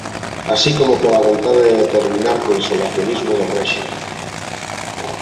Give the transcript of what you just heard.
Así como pola vontade de terminar co isolacionismo do Réxime.